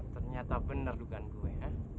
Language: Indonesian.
ternyata bener dukungan gue